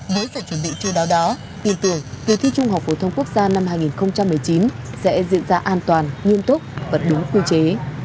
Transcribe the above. mới sẽ chuẩn bị chưa đó đó tương tự kỳ thi trung học phổ thông quốc gia năm hai nghìn một mươi chín sẽ diễn ra an toàn nguyên tốt và đúng quy chế